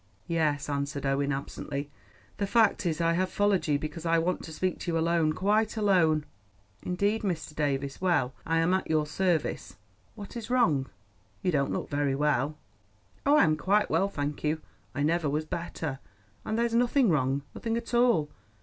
"Yes," answered Owen absently. "The fact is, I have followed you because I want to speak to you alone—quite alone." "Indeed, Mr. Davies—well, I am at your service. What is wrong? You don't look very well." "Oh, I am quite well, thank you. I never was better; and there's nothing wrong, nothing at all.